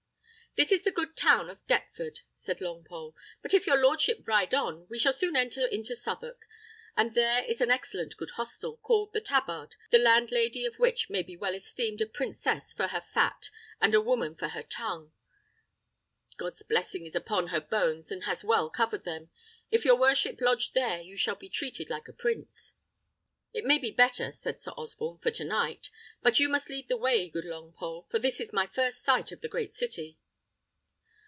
"This is the good town of Deptford," said Longpole; "but if your lordship ride on, we shall soon enter into Southwark, where there is an excellent good hostel, called the Tabard, the landlady of which may be well esteemed a princess for her fat, and a woman for her tongue. God's blessing is upon her bones, and has well covered them. If your worship lodge there you shall be treated like a prince." "It may be better," said Sir Osborne, "for to night; but you must lead the way, good Longpole, for this is my first sight of the great city."